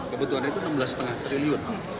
kebutuhannya itu enam belas lima triliun